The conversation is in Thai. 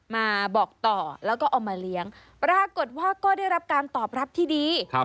มาบอกต่อแล้วก็เอามาเลี้ยงปรากฏว่าก็ได้รับการตอบรับที่ดี